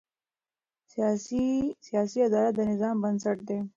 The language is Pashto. سیاسي عدالت د نظام بنسټ دی